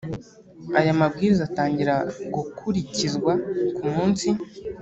Aya Mabwiriza atangira gukurikizwa ku munsi